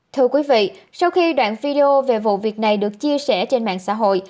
thưa quý vị sau khi đoạn video về vụ việc này được chia sẻ trên mạng xã hội